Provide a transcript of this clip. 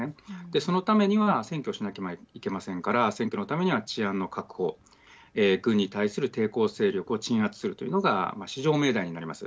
そのためには選挙しなければいけませんから選挙のためには治安の確保軍に対する抵抗勢力を鎮圧するというのが至上命題になります。